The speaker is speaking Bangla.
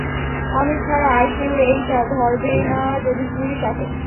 আমি ছাড়া আর কেউ এইটা ধরবেনা যদি পুলিশ আসে?